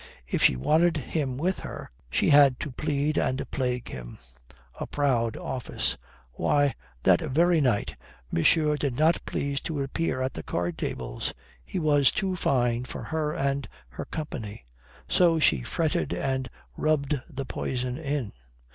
If she wanted him with her, she had to plead and plague him. A proud office! Why, that very night monsieur did not please to appear at the card tables. He was too fine for her and her company. So she fretted and rubbed the poison in.